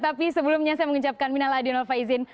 tapi sebelumnya saya mengucapkan minal adil faizin